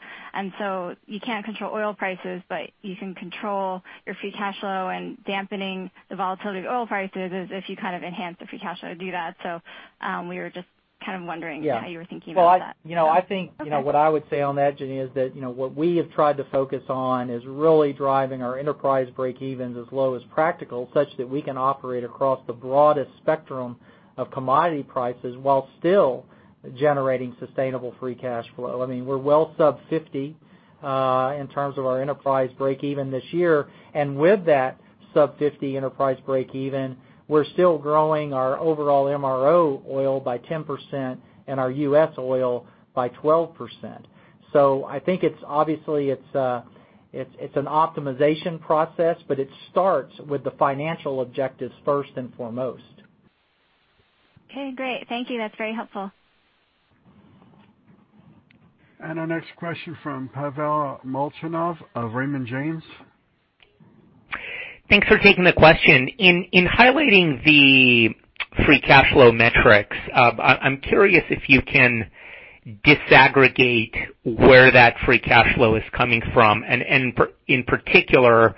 You can't control oil prices, but you can control your free cash flow and dampening the volatility of oil prices as if you kind of enhance the free cash flow to do that. We were just kind of wondering how you were thinking about that. I think what I would say on that, Jeanine, is that, what we have tried to focus on is really driving our enterprise breakevens as low as practical, such that we can operate across the broadest spectrum of commodity prices while still generating sustainable free cash flow. We're well sub 50, in terms of our enterprise breakeven this year. With that sub 50 enterprise breakeven, we're still growing our overall MRO oil by 10% and our U.S. oil by 12%. I think obviously it's an optimization process, but it starts with the financial objectives first and foremost. Okay, great. Thank you. That's very helpful. Our next question from Pavel Molchanov of Raymond James. Thanks for taking the question. In highlighting the free cash flow metrics, I'm curious if you can disaggregate where that free cash flow is coming from, and in particular,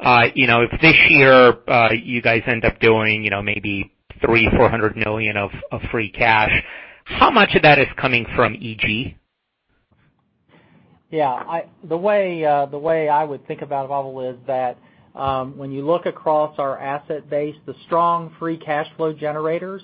if this year you guys end up doing maybe $300 million or $400 million of free cash, how much of that is coming from EG? Yeah. The way I would think about it, Pavel, is that when you look across our asset base, the strong free cash flow generators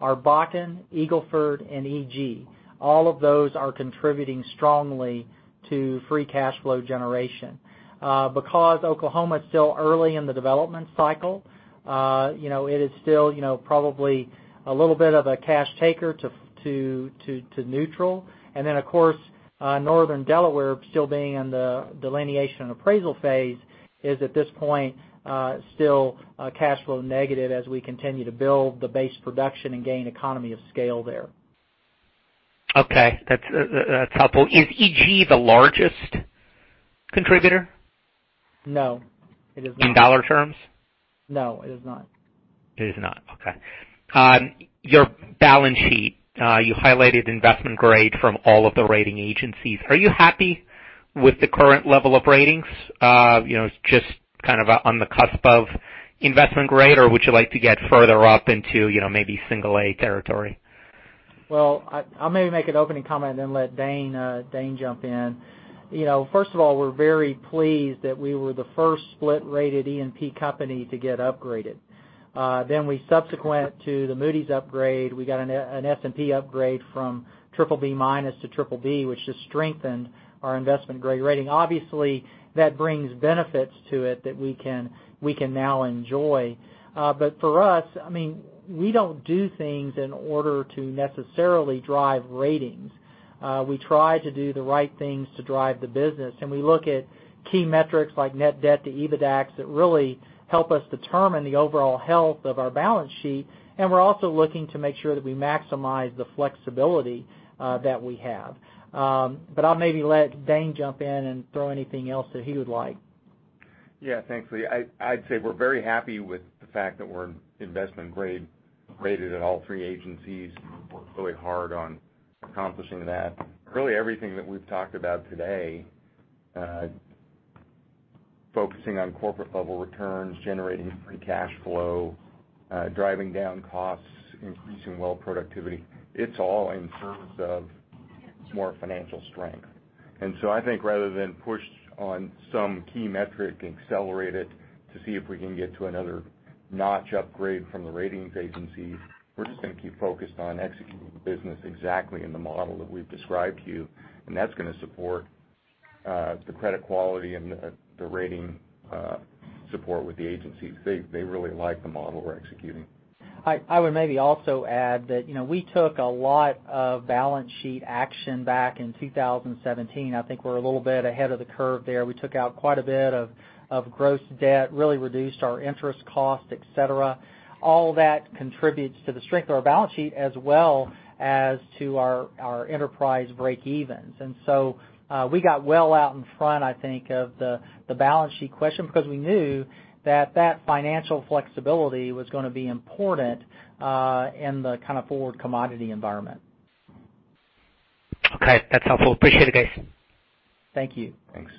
are Bakken, Eagle Ford, and EG. All of those are contributing strongly to free cash flow generation. Oklahoma is still early in the development cycle, it is still probably a little bit of a cash taker to neutral. Of course, Northern Delaware still being in the delineation and appraisal phase is at this point still cash flow negative as we continue to build the base production and gain economy of scale there. Okay. That's helpful. Is E.G. the largest contributor? No, it is not. In dollar terms? No, it is not. It is not. Okay. Your balance sheet. You highlighted investment grade from all of the rating agencies. Are you happy with the current level of ratings? Just kind of on the cusp of investment grade, or would you like to get further up into maybe single A territory? Well, I'll maybe make an opening comment and then let Dane jump in. First of all, we're very pleased that we were the first split-rated E&P company to get upgraded. We subsequent to the Moody's upgrade, we got an S&P upgrade from BBB- to BBB, which just strengthened our investment-grade rating. Obviously, that brings benefits to it that we can now enjoy. For us, we don't do things in order to necessarily drive ratings. We try to do the right things to drive the business, and we look at key metrics like net debt to EBITDA that really help us determine the overall health of our balance sheet. We're also looking to make sure that we maximize the flexibility that we have. I'll maybe let Dane jump in and throw anything else that he would like. Yeah. Thanks, Lee. I'd say we're very happy with the fact that we're investment grade rated at all three agencies. We worked really hard on accomplishing that. Really everything that we've talked about today, focusing on corporate level returns, generating free cash flow, driving down costs, increasing well productivity, it's all in service of more financial strength. I think rather than push on some key metric and accelerate it to see if we can get to another notch upgrade from the ratings agencies, we're just going to keep focused on executing the business exactly in the model that we've described to you, and that's going to support the credit quality and the rating support with the agencies. They really like the model we're executing. I would maybe also add that we took a lot of balance sheet action back in 2017. I think we're a little bit ahead of the curve there. We took out quite a bit of gross debt, really reduced our interest cost, et cetera. All that contributes to the strength of our balance sheet as well as to our enterprise breakevens. We got well out in front, I think, of the balance sheet question, because we knew that financial flexibility was going to be important in the kind of forward commodity environment. Okay. That's helpful. Appreciate it, guys. Thank you. Thanks.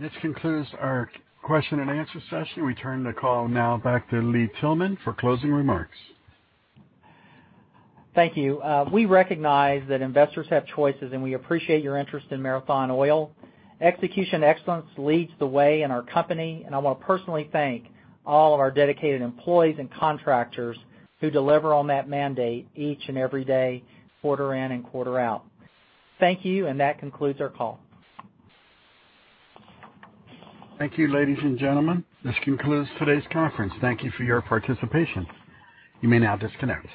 This concludes our question and answer session. We turn the call now back to Lee Tillman for closing remarks. Thank you. We recognize that investors have choices. We appreciate your interest in Marathon Oil. Execution excellence leads the way in our company. I want to personally thank all of our dedicated employees and contractors who deliver on that mandate each and every day, quarter in and quarter out. Thank you. That concludes our call. Thank you, ladies and gentlemen. This concludes today's conference. Thank you for your participation. You may now disconnect.